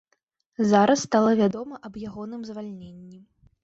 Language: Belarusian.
Зараз стала вядома аб ягоным звальненні.